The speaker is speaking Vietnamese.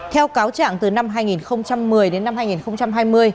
theo cáo trạng từ năm hai nghìn một mươi đến năm hai nghìn hai mươi